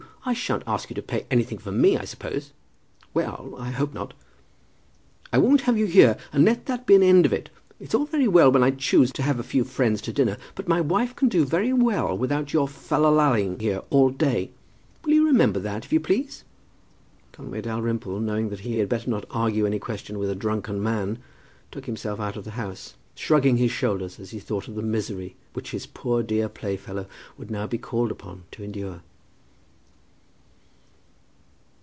I shan't ask you to pay anything for me, I suppose." "Well; I hope not." "I won't have you here, and let that be an end of it. It's all very well when I choose to have a few friends to dinner, but my wife can do very well without your fal lalling here all day. Will you remember that, if you please?" Conway Dalrymple, knowing that he had better not argue any question with a drunken man, took himself out of the house, shrugging his shoulders as he thought of the misery which his poor dear playfellow would now be called upon to endure.